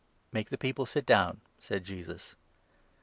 " Make the people sit down," said Jesus.